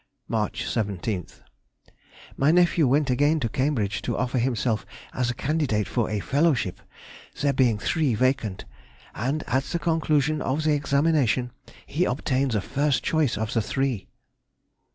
March 17th.—My nephew went again to Cambridge to offer himself as candidate for a fellowship, there being three vacant, and at the conclusion of the examination he obtained the first choice of the three.